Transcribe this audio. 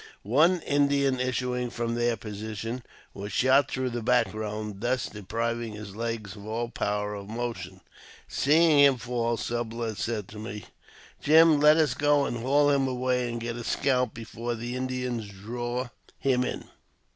One Indian issuing from their position was shot through the backbone, thus depriving his legs of all power of motion. Seeing him fall. Sublet said to me, '* Jim, let us go ^nd haul him away, and get his scalp before the Indians draw him in."